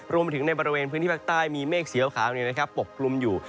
รวมถึงในบริเวณพื้นที่ภาคใต้มีเมฆเสียวขาวนี้ปกปรุมอยู่